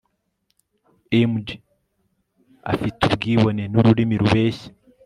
img afite ubwibone n'ururimi rubeshya